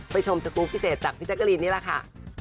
ชมสกรูปพิเศษจากพี่แจ๊กรีนนี่แหละค่ะ